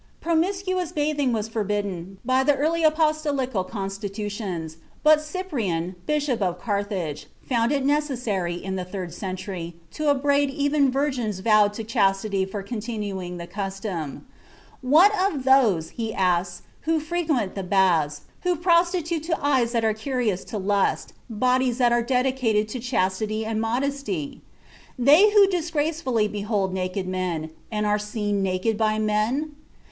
Promiscuous bathing was forbidden by the early Apostolical Constitutions, but Cyprian, Bishop of Carthage, found it necessary, in the third century, to upbraid even virgins vowed to chastity for continuing the custom. "What of those," he asks, "who frequent baths, who prostitute to eyes that are curious to lust, bodies that are dedicated to chastity and modesty? They who disgracefully behold naked men, and are seen naked by men?